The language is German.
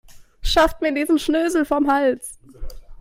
Schafft mir diesen Schnösel vom Hals.